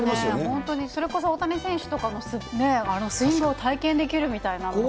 本当にそれこそ大谷選手とかのスイングを体験できるみたいなのとか。